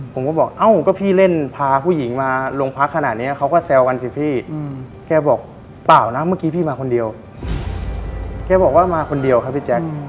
ผมก็บอกเอ้าก็พี่เล่นพาผู้หญิงมาโรงพักขนาดนี้เขาก็แซวกันสิพี่แกบอกเปล่านะเมื่อกี้พี่มาคนเดียวแกบอกว่ามาคนเดียวครับพี่แจ๊ค